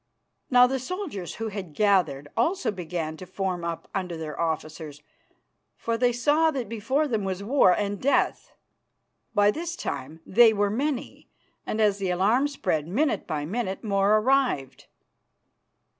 Now the soldiers who had gathered also began to form up under their officers, for they saw that before them was war and death. By this time they were many, and as the alarm spread minute by minute more arrived.